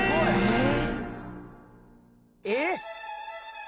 「えっ！？」